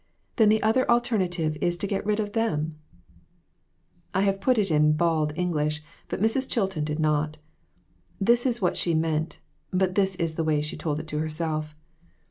Then the other alternative is to get rid of them !" I have put it in bald English, but Mrs. Chilton did not. That is what she meant, but this is the way she told it to herself.